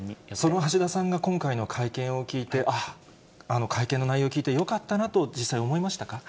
その橋田さんが今回の会見を聞いて、あぁ、あの会見の内容を聞いてよかったなと、実際思いましたか。